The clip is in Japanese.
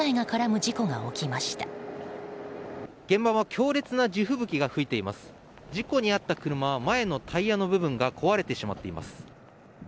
事故に遭った車は前のタイヤの部分が壊れてしまっています。